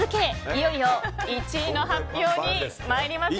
いよいよ１位の発表に参ります。